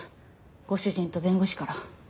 ご主人と弁護士から。